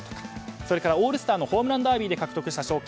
それからオールスターのホームランダービーで獲得した賞金